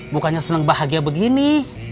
bukannya seneng bahagia begini